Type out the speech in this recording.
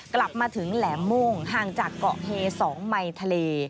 กลับมาถึงแหลมโม่งห่างจากเกาะเฮ๒ไมค์ทะเล